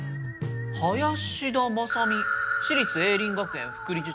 林田正美私立栄林学園副理事長。